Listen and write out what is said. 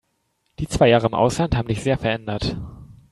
Die zwei Jahre im Ausland haben dich sehr verändert.